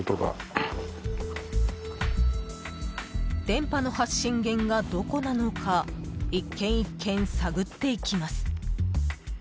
電波の発信源がどこなのか１軒１軒、探っていきます。